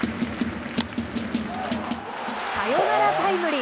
サヨナラタイムリー。